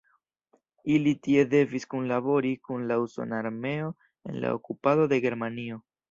Ili tie devis kunlabori kun la usona armeo en la okupado de Germanio.